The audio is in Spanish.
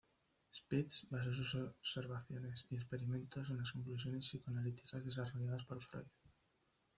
Spitz basó sus observaciones y experimentos en las conclusiones psicoanalíticas, desarrolladas por Freud.